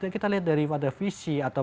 kita lihat dari pada visi atau